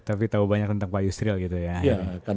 tapi tahu banyak tentang pak yusril gitu ya